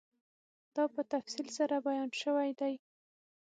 دا په تفصیل سره بیان شوی دی